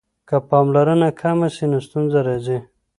که پاملرنه کمه سي نو ستونزه راځي.